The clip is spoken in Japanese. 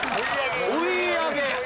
追い上げ！